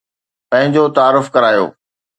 پنهنجو تعارف ڪرايو